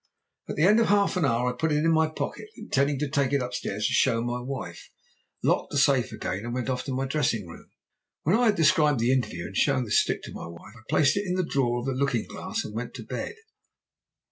"At the end of half an hour I put it in my pocket, intending to take it upstairs to show my wife, locked the safe again and went off to my dressing room. When I had described the interview and shown the stick to my wife I placed it in the drawer of the looking glass and went to bed.